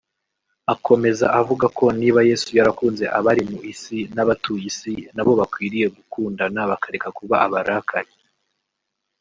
Akomeza avuga ko niba Yesu yarakunze abari mu isi n’abatuye isi nabo bakwiriye gukundana bakareka kuba abarakare